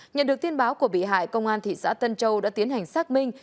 nhận được tin báo của bị hại công an thị xã tân châu đã tiến hành xác minh